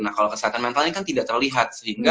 nah kalau kesehatan mental ini kan tidak terlihat sih itu kan